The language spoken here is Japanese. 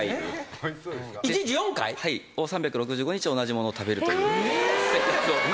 同じものを食べるという生活を。